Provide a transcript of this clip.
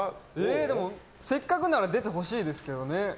でも、せっかくなら出てほしいですけどね。